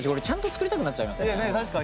ちゃんと作りたくなっちゃいますよね。